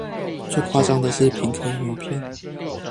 最誇張的是品客洋芋片